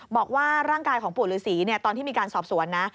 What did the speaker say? บอกว่าร่างกายของปู่ฤษีตอนที่มีการสอบสวนนะ